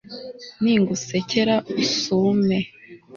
ningusekera usume